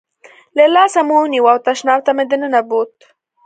له لاسه مې ونیو او تشناب ته مې دننه بوت.